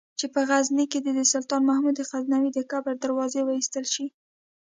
چې په غزني کې دې د سلطان محمود غزنوي د قبر دروازې وایستل شي.